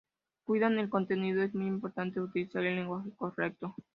Cuidar el contenido: es muy importante utilizar el lenguaje correcto.